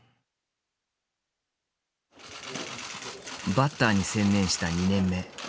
バッターに専念した２年目。